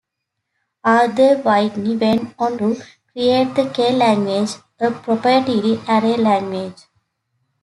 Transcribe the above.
Arthur Whitney went on to create the K language, a proprietary array language.